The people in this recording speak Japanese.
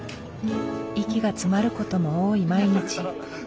息が詰まる事も多い毎日。